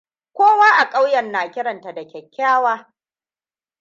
Kowa a ƙauyen na kiranta da kyakkyawa.